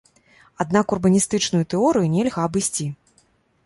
Аднак урбаністычную тэорыю нельга абысці.